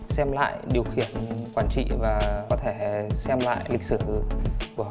xem lại điều khiển quản trị và có thể xem lại lịch sử của họ